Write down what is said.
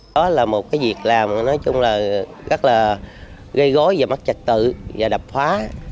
đó là một cái việc làm nói chung là rất là gây gối vào mắt trạch tự và đập hóa